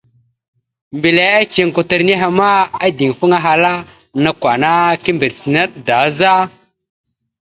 Mbile iceŋ kwatar nehe ma, ideŋfaŋa, ahala: « Nakw ana kimbirec naɗ da za? ».